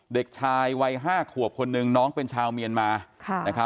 เด็กชายวัย๕ขวบคนหนึ่งน้องเป็นชาวเมียนมา